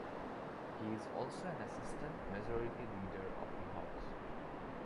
He is also an assistant majority leader of the House.